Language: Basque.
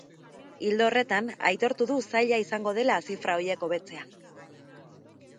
Ildo horretan, aitortu du zaila izango dela zifra horiek hobetzea.